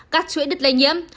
các chuỗi đứt lây nhiễm